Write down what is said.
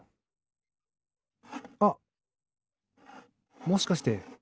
あっもしかして。